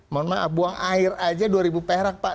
mohon maaf buang air aja dua ribu perak pak